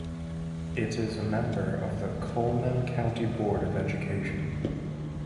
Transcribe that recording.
It is a member of the Cullman County Board of Education.